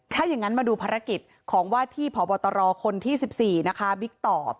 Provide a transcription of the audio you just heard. ถ้าอย่างนั้นมาดูภารกิจของว่าที่พบตรคนที่๑๔นะคะบิ๊กตอบ